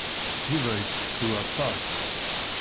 Yuba yettettu aṭas.